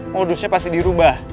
modusnya pasti dirubah